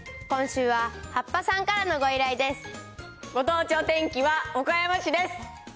今週ははっぱさんからのご依頼です。